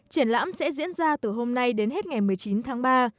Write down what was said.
triển lãm sẽ diễn ra từ hôm nay đến hết ngày một mươi chín tháng ba